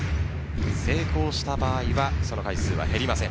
成功した場合はその回数は減りません。